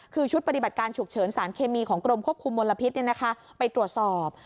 คือชุดปฏิบัติการฉุกเฉินสารเคมีของกรมควบคุมมลพิษไปตรวจสอบ